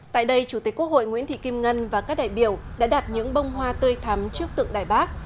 tại đây chủ tịch quốc hội nguyễn thị kim ngân và các đại biểu đã đặt những bông hoa tươi thắm trước tượng đài bác